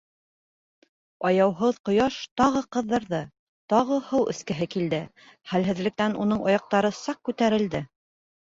Аяуһыҙ ҡояш тағы ҡыҙҙырҙы, тағы һыу эскеһе килде, хәлһеҙлектән уның аяҡтары саҡ күтәрелде.